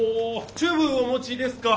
チューブお持ちですか？